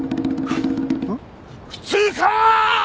普通か！！